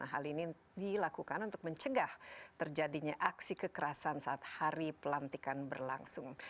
hal ini dilakukan untuk mencegah terjadinya aksi kekerasan saat hari pelantikan berlangsung